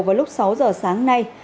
vào lúc sáu giờ sáng nay